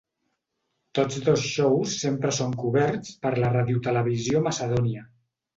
Tots dos xous sempre són coberts per la Radiotelevisió Macedònia.